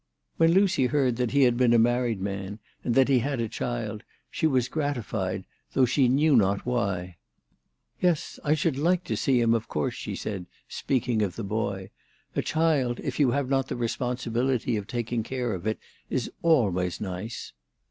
When Lucy heard that he had been a married man and that he had a child she was gratified, though she 290 THE TELEGRAPH GIRL. knew not why. " Yes, I should like to see him of course," she said, speaking of the boy. " A child, if you have not the responsibility of taking care of it, is always nice."